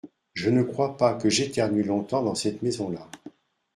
Je ne crois pas que j’éternue longtemps dans cette maison-là.